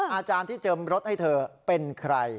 อาจารย์ที่เจิมรถให้เธอเป็นใคร